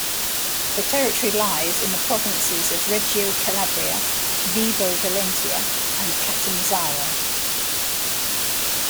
The territory lies in the provinces of Reggio Calabria, Vibo Valentia and Catanzaro.